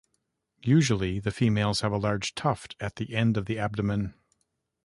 Usually, the females have a large tuft at the end of the abdomen.